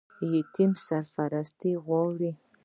یتیم سرپرست غواړي